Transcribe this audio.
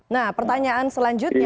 nah pertanyaan selanjutnya